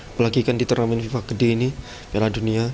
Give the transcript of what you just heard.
apalagi kan di turnamen fifa gede ini piala dunia